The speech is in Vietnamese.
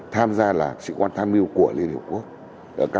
tham gia là sĩ quan tham mưu của liên hiệp quốc